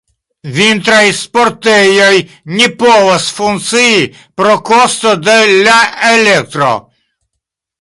Vintraj sportejoj ne povos funkcii pro kosto de la elektro.